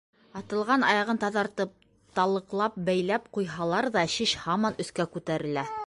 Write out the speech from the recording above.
Атылған аяғын таҙартып, талыҡлап бәйләп ҡуйһалар ҙа шеш һаман өҫкә күтәрелә.